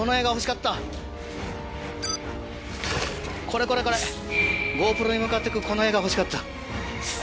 これこれこれゴープロに向かってくこの画が欲しかった。